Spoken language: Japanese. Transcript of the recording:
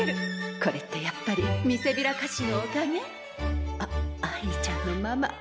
これってやっぱりみせびら菓子のおかげ？あっ愛梨ちゃんのママ。